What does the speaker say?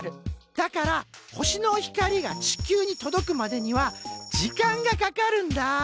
だから星の光が地球に届くまでには時間がかかるんだ。